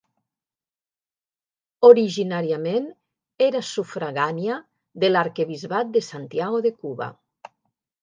Originàriament era sufragània de l'arquebisbat de Santiago de Cuba.